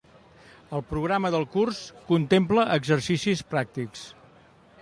El programa del curs contempla exercicis pràctics.